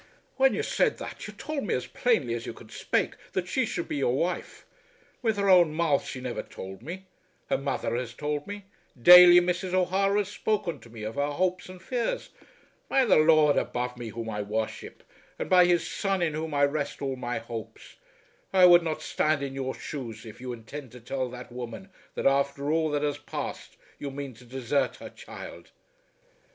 "When you said that, you told me as plainly as you could spake that she should be your wife. With her own mouth she never told me. Her mother has told me. Daily Mrs. O'Hara has spoken to me of her hopes and fears. By the Lord above me whom I worship, and by His Son in whom I rest all my hopes, I would not stand in your shoes if you intend to tell that woman that after all that has passed you mean to desert her child."